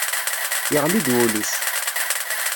Yeɣli-d wul-is.